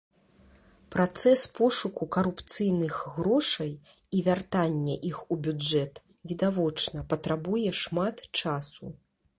Працэс пошуку карупцыйных грошай і вяртання іх у бюджэт, відавочна, патрабуе шмат часу.